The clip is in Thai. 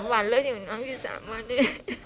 ๓วันน้องอยู่๓วันเลย